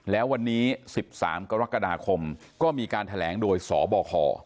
แล้ววันนี้๑๓กรกฎาคมก็มีการแถลงโดยสบค